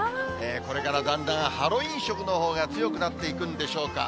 これからだんだんハロウィーン色のほうが強くなっていくんでしょうか。